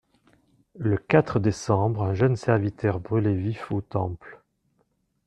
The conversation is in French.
«Le quatre décembre, un jeune serviteur brûlé vif au Temple.